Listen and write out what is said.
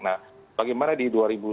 nah bagaimana di dua ribu dua puluh